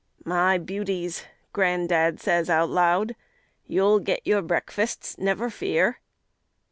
"My beauties," gran'dad says out loud, "You'll get your breakfasts, never fear."